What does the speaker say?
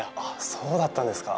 そうだったんですか